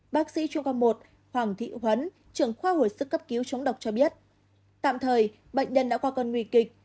bác sĩ trung con một hoàng thị huấn trưởng khoa hồi sức cấp cứu chống độc cho biết tạm thời bệnh nhân đã qua cơn nguy kịch